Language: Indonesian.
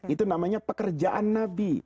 itu namanya pekerjaan nabi